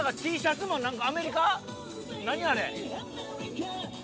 何あれ！